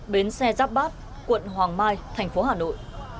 bến xe giáp bát quận hoàng mai thành phố hà nội